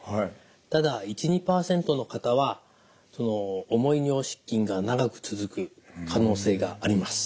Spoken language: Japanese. ただ１２％の方は重い尿失禁が長く続く可能性があります。